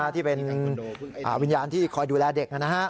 ที่เป็นวิญญาณที่คอยดูแลเด็ก